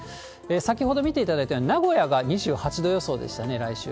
先ほど見ていただいたように、名古屋が２８度予想でしたね、来週。